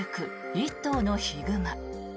１頭のヒグマ。